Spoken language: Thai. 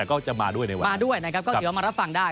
ก็จะมาด้วยในวันมาด้วยนะครับก็เดี๋ยวมารับฟังได้